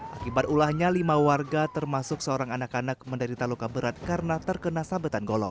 akibat ulahnya lima warga termasuk seorang anak anak menderita luka berat karena terkena sabetan golong